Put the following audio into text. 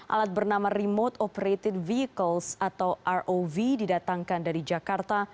alat bernama remote operated vehicles atau rov didatangkan dari jakarta